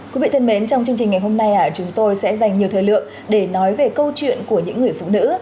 quý vị thân mến trong chương trình ngày hôm nay chúng tôi sẽ dành nhiều thời lượng để nói về câu chuyện của những người phụ nữ